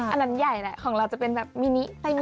อันนั้นใหญ่แหละของเราจะเป็นแบบมินิไตรงิ